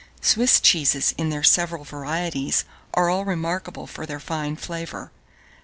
Swiss cheeses in their several varieties are all remarkable for their fine flavour.